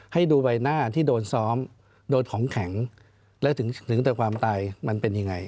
ให้ดูใบหน้าที่โดนซ้อมโดนของแข็งและถึงแต่ความตายมันเป็นยังไง